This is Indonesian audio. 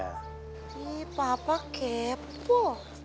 tapi papa kepo